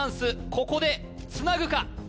ここでつなぐか？